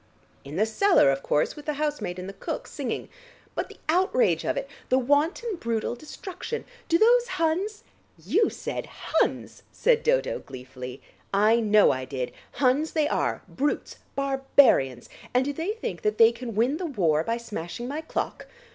"In the cellar, of course, with the housemaid and the cook singing. But the outrage of it, the wanton brutal destruction! Do those Huns " "You said 'Huns'," said Dodo gleefully. "I know I did. Huns they are, brutes, barbarians! And do they think that they can win the war by smashing my clock?